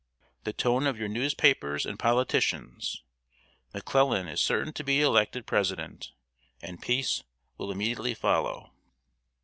"The tone of your newspapers and politicians. McClellan is certain to be elected President, and peace will immediately follow."